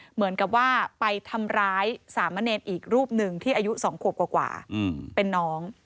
เหมือนกับว่าไปทำร้ายสามเณรอีกรูปหนึ่งที่อายุ๒ขวบกว่าเป็นน้อง